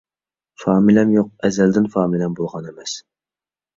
فامىلەم يوق، ئەزەلدىن فامىلەم بولغان ئەمەس.